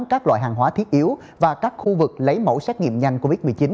các loại hàng hóa thiết yếu và các khu vực lấy mẫu xét nghiệm nhanh covid một mươi chín